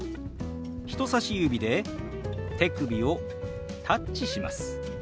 人さし指で手首をタッチします。